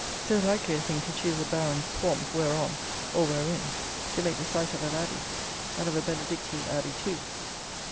So likely a thing to choose a barren swamp whereon, or wherein, to make the site of an abbey, and of a benedictine abbey too!